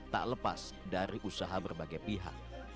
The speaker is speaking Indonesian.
tak lepas dari usaha berbagai pihak